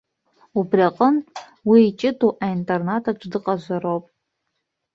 Убри аҟынтә уи иҷыдоу аинтернатаҿ дыҟазароуп.